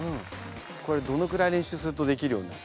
これどのくらい練習するとできるようになる？